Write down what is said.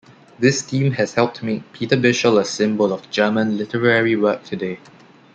This theme has helped make Peter Bichsel a symbol of German literary work today.